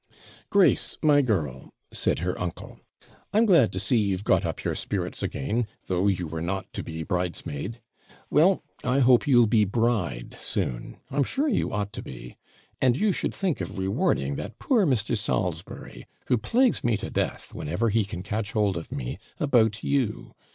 'Grace, my girl!' said her uncle, 'I'm glad to see you've got up your spirits again, though you were not to be bridesmaid. Well, I hope you'll be bride soon I'm sure you ought to be and you should think of rewarding that poor Mr. Salisbury, who plagues me to death, whenever he can catch hold of me, about you.